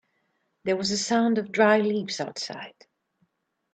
There was a sound of dry leaves outside.